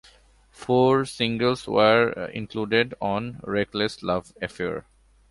Four singles were included on "Reckless Love Affair".